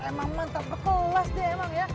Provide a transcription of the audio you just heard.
emang mantep kelas dia emang ya